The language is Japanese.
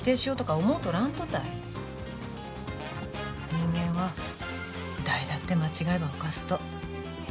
人間は誰だって間違えは犯すと。